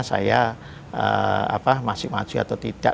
saya masih maju atau tidak